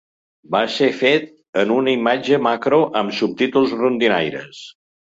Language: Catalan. Va ser fet en una imatge macro amb subtítols rondinaires.